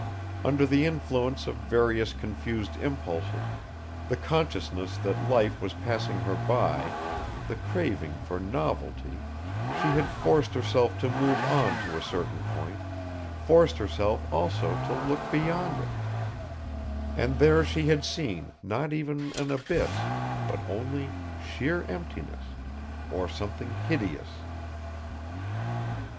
Under the influence of various confused impulses, the consciousness that life was passing her by, the craving for novelty, she had forced herself to move on to a certain point, forced herself also to look beyond it and there she had seen not even an abyss, but only sheer emptiness ... or something hideous.